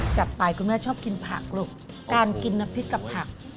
จัดไปคุณแม่ชอบกินผักลูกการกินน้ำพริกกับผัก